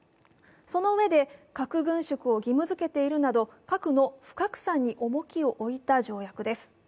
そのうえで、核軍縮を義務づけているなど、核の不拡散に重きを置いた条約です。